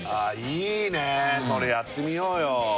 いいねそれやってみようよ